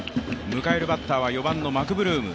迎えるバッターは４番のマクブルーム。